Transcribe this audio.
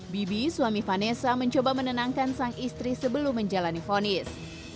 bibi suami vanessa mencoba menenangkan sang istri sebelum menjalani fonis